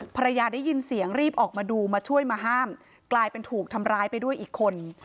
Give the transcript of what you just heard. ภรรยาได้ยินเสียงรีบออกมาดูมาช่วยมาห้ามกลายเป็นถูกทำร้ายไปด้วยอีกคน